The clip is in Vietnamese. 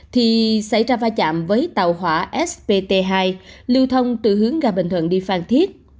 thì xảy ra va chạm với tàu hỏa spt hai lưu thông từ hướng ga bình thuận đi phan thiết